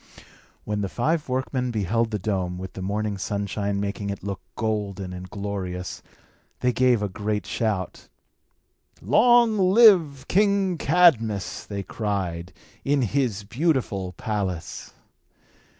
When the five workmen beheld the dome, with the morning sunshine making it look golden and glorious, they gave a great shout. "Long live King Cadmus," they cried, "in his beautiful palace."